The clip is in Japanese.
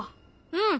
うん。